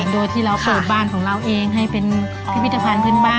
โดยที่เราเปิดบ้านของเราเองให้เป็นพิพิธภัณฑ์พื้นบ้าน